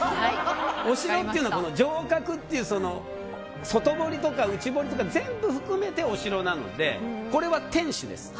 お城っていうのは城郭っていう外堀とか内堀とか全部含めてお城なのでこれは天守です。